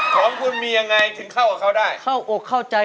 ของคุณมียังไงถึงเข้ากับเขาได้